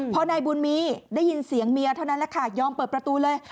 พอนายบุญมีได้ยินเสียงเมียเท่านั้นแหละค่ะยอมเปิดประตูเลย